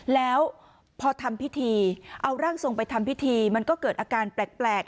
แล้วพอทำพิธีเอาร่างทรงไปทำพิธีมันก็เกิดอาการแปลก